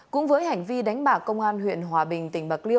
cũng với hành vi đánh bạc công an huyện hòa bình tỉnh bạc liêu